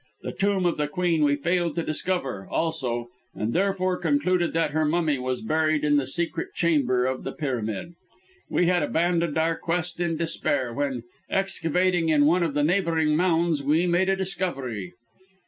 The tomb of the queen we failed to discover, also, and therefore concluded that her mummy was buried in the secret chamber of the pyramid. We had abandoned our quest in despair, when, excavating in one of the neighbouring mounds, we made a discovery."